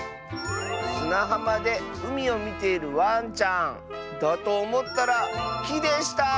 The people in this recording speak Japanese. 「すなはまでうみをみているワンちゃんだとおもったらきでした！」。